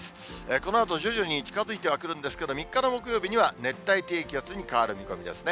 このあと徐々に近づいては来るんですけど、３日の木曜日には熱帯低気圧に変わる見込みですね。